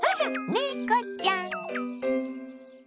猫ちゃん！